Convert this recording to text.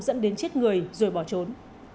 dẫn đến chết người rồi bỏ trốn